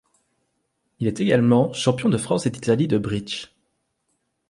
Il est également champion de France et d'Italie de bridge.